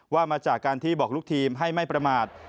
มาจากการที่บอกลูกทีมให้ไม่ประมาท